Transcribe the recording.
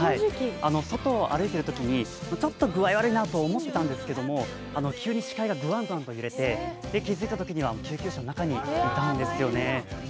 外を歩いているときにちょっと具合悪いなと思ったんですけど急に司会がグアングアン揺れて、気づいたときには救急車の中にいたんですよね。